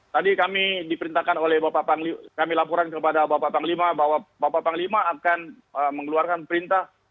tadi kami laporan kepada bapak panglima bahwa bapak panglima akan mengeluarkan perintah